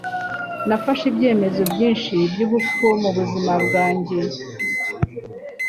Nafashe ibyemezo byinshi byubupfu mubuzima bwanjye.